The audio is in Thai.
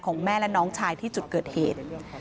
แม่และน้องชายที่จุดเกิดเหตุ